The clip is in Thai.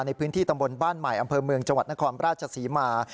ในพื้นที่ตำบลบ้านใหม่อำเภอเมืองจังหวัดนครราชศรีมา